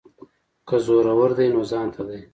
که زورور دی نو ځانته دی.